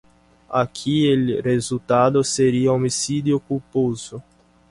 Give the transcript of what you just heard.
Aquí el resultado sería homicidio culposo.